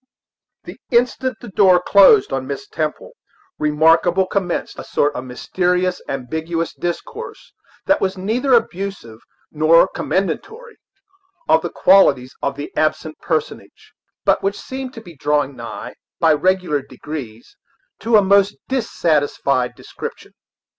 The instant the door closed on Miss Temple, Remarkable commenced a sort of mysterious, ambiguous discourse, that was neither abusive nor commendatory of the qualities of the absent personage, but which seemed to be drawing nigh, by regular degrees, to a most dissatisfied description.